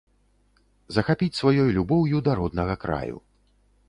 Захапіць сваёй любоўю да роднага краю.